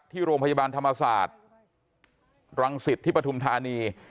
ที่โรงพยาบาลธรรมศาสตร์รังสิตที่ปฐุมธานี